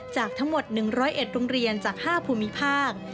จากทั้งหมด๑๐๑โรงเรียนจาก๕ภูมิภาค